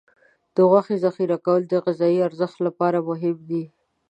د غوښې ذخیره کول د غذايي ارزښت لپاره مهم دي.